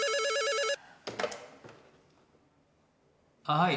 はい。